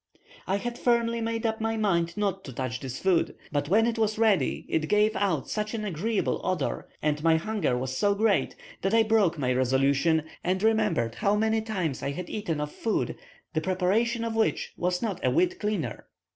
I had firmly made up my mind not to touch this food; but when it was ready it gave out such an agreeable odour, and my hunger was so great, that I broke my resolution, and remembered how many times I had eaten of food the preparation of which was not a whit cleaner.